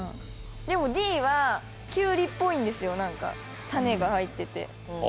でもＤはキュウリっぽいんですよなんか種が入ってて。